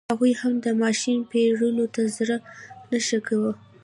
هغوی هم د ماشین پېرلو ته زړه نه ښه کاوه.